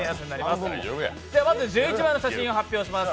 まず１１枚の写真を発表します